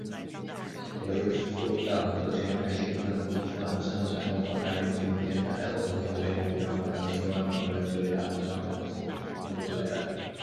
我又收到很多群众来信……他们的故事让我深受感动。广大人民群众坚持爱国奉献，无怨无悔，让我感到千千万万普通人最伟大，同时让我感到幸福都是奋斗出来的。